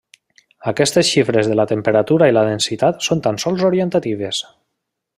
Aquestes xifres de la temperatura i la densitat són tan sols orientatives.